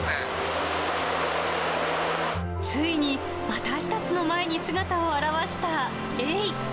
ついに、私たちの前に姿を現したエイ。